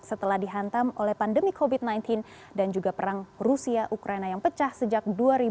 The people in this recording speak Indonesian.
setelah dihantam oleh pandemi covid sembilan belas dan juga perang rusia ukraina yang pecah sejak dua ribu dua puluh